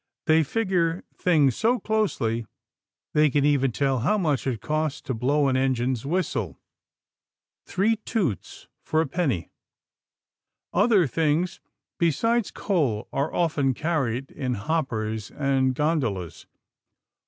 They figure things so closely they can even tell how much it costs to blow an engine's whistle three toots for a penny. Other things besides coal are often carried in hoppers and gondolas.